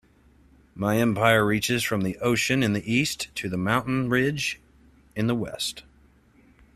My empire reaches from the ocean in the East to the mountain ridge in the West.